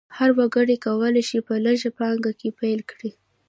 هر وګړی کولی شي په لږه پانګه کار پیل کړي.